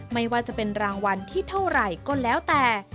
ไม่ว่าจะเป็นรางวัลที่เท่าไหร่ก็แล้วแต่